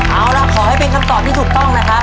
เอาล่ะขอให้เป็นคำตอบที่ถูกต้องนะครับ